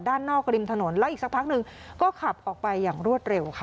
ด้านนอกริมถนนแล้วอีกสักพักหนึ่งก็ขับออกไปอย่างรวดเร็วค่ะ